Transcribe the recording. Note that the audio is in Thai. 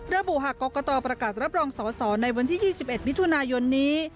ระบุหากกรกตประกาศรับรองสอสอในวันที่๒๑มิถุนายนนี้